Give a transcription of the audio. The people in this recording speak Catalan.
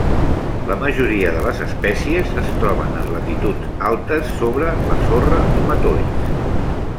La majoria de les espècies es troben en latituds altes, sobre la sorra o matolls.